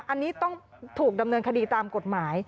อันนี้ต้องถูกดำเนินคดีตามกฎหมาย